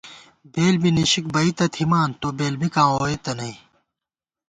بېل بی نِشِک بئ تہ تھِمان تو بېل بِکاں ووئېتہ نئ